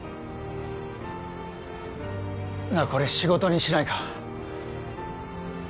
なあこれ仕事にしないか？